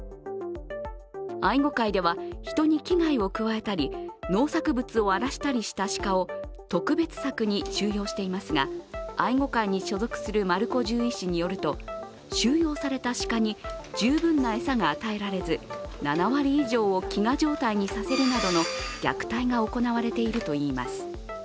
愛護会では人に危害を加えたり農作物を荒らしたりした鹿を特別柵に収容していますが、愛護会に所属する丸子獣医師によると、収容された鹿に十分な餌が与えられず７割以上を飢餓状態にさせるなどの虐待が行われているといいます。